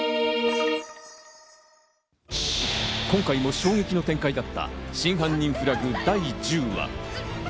今回も衝撃の展開だった『真犯人フラグ』第１０話。